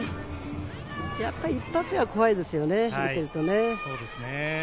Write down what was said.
やっぱり一発が怖いですよね、見ていると。